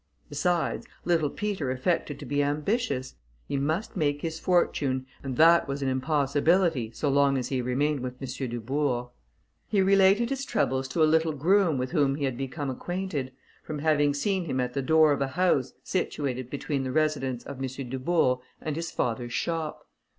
Besides, little Peter affected to be ambitious; he must make his fortune, and that was an impossibility so long as he remained with M. Dubourg. He related his troubles to a little groom with whom he became acquainted, from having seen him at the door of a house, situated between the residence of M. Dubourg and his father's shop.